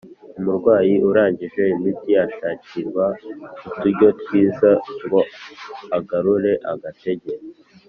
umurwayi urangije imiti ashakirwa uturyo twiza ngo agarure agatege